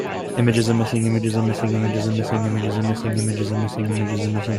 images are missing images are missing images are missing images are missing images are missing images are missing